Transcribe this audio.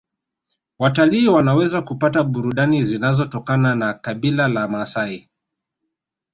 Watalii wanaweza kupata burudani zinazotokana na kabila la maasai